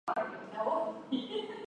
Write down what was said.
初级教育应属义务性质。